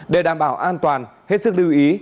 để đảm bảo an toàn hết sức lưu ý